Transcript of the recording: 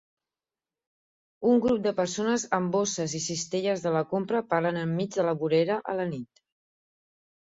Un grup de persones amb bosses i cistelles de la compra parlen enmig de la vorera a la nit